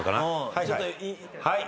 はい。